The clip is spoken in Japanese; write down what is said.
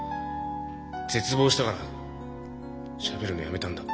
絶望したからしゃべるのをやめたんだ。